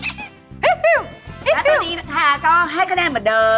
แล้วตอนนี้นะคะก็ให้คะแนนเหมือนเดิม